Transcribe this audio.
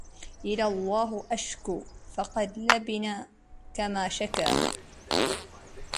إلى الله أشكو فقد لبنى كما شكا